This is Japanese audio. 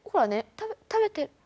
食べて。